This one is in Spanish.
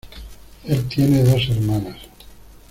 El tiene dos hermanas.